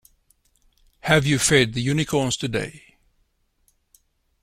Have you fed the unicorns today?